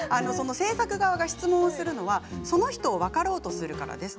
私たちが質問するのはその人を分かろうとするから。